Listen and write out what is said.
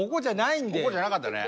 ここじゃなかったね。